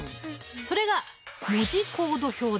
それが文字コード表だ。